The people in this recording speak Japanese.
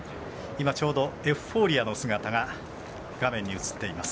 ちょうどエフフォーリアの姿が画面に映っています。